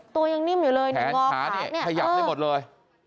แขนขาดนี่ขยับได้หมดเลย